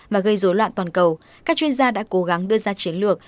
và gây rối loạn toàn cầu các chuyên gia đã cố gắng đưa ra chiến lược